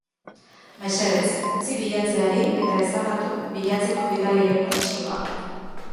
Mesedez, utzi bilatzeari eta ezabatu bilatzeko bidali genuen txioa.